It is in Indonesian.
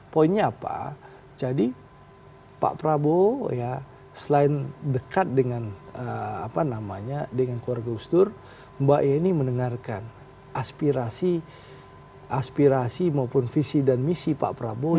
poinnya apa jadi pak prabowo ya selain dekat dengan keluarga gus dur mbak e ini mendengarkan aspirasi maupun visi dan misi pak prabowo